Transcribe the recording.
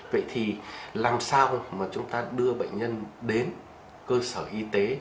vậy thì làm sao mà chúng ta đưa bệnh nhân đến cơ sở y tế